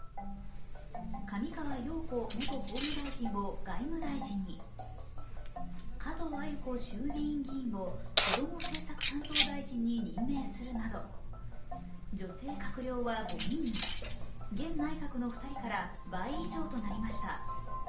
上川陽子元法務大臣を外務大臣に加藤鮎子衆議院議員をこども政策担当大臣に任命するなど、女性閣僚は５人に、現内閣の２人から倍以上となりました。